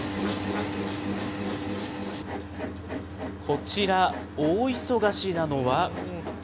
こちら、大忙しなのは。